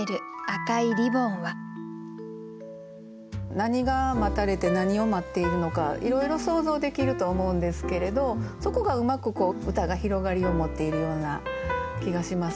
何が待たれて何を待っているのかいろいろ想像できると思うんですけれどそこがうまく歌が広がりを持っているような気がします。